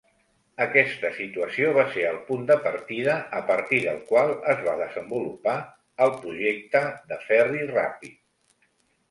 Aquesta situació va ser el punt de partida a partir del qual es va desenvolupar el projecte de ferri ràpid.